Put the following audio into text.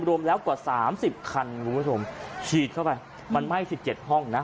รวมแล้วกว่าสามสิบคันคุณผู้ชมฉีดเข้าไปมันไหม้๑๗ห้องนะ